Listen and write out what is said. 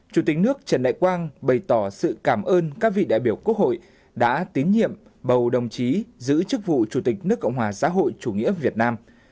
chủ tịch nước trần đại quang bày tỏ sự cảm ơn các vị đại biểu quốc hội đã tín nhiệm bầu đồng chí giữ chức vụ chủ tịch nước cộng hòa xã hội chủ nghĩa việt nam